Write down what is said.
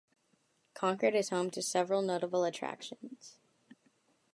Concord is home to several notable attractions.